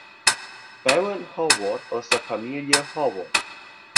Baron Howard aus der Familie Howard.